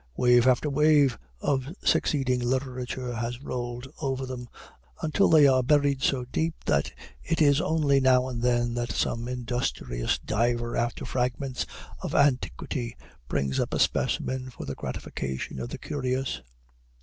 Wave after wave of succeeding literature has rolled over them, until they are buried so deep, that it is only now and then that some industrious diver after fragments of antiquity brings up a specimen for the gratification of the curious.